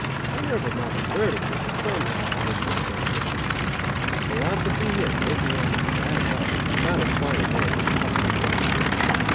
My nerve had not deserted me, but somehow I was less ambitious. Philosophy and opium and bad health do not incline a man to a hustling life.